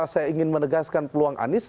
saya ingin menegaskan peluang anies